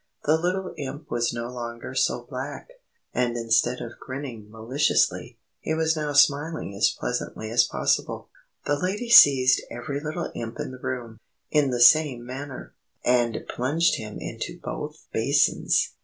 The little Imp was no longer so black, and instead of grinning maliciously, he was now smiling as pleasantly as possible. The Lady seized every little Imp in the room, in the same manner, and plunged him into both basins.